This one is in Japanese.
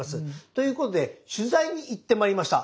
ということで取材に行ってまいりました。